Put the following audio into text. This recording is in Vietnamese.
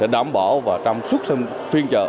đóng bỏ và trong suốt phiên trợ